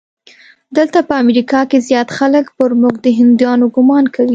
دلته په امریکا کې زیات خلک پر موږ د هندیانو ګومان کوي.